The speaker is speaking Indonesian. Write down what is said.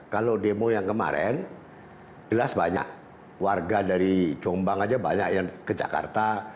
kalau demo yang kemarin jelas banyak warga dari jombang aja banyak yang ke jakarta